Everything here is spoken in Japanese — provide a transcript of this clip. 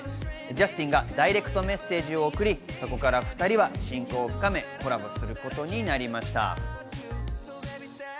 ジャスティンがダイレクトメッセージを送り、そこから２人は親交を深め、コラボすることになりました。